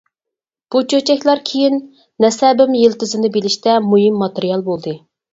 بۇ چۆچەكلەر كېيىن نەسەبىم يىلتىزىنى بىلىشتە مۇھىم ماتېرىيال بولدى.